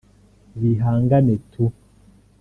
bihangane tu